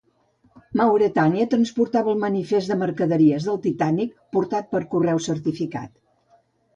"Mauretania" transportava el manifest de mercaderies del "Titànic" portat per correu certificat.